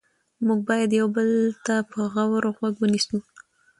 موږ باید یو بل ته په غور غوږ ونیسو